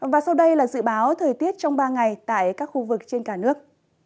và sau đây là dự báo thời tiết trong ba ngày tại các khu vực trên cả nước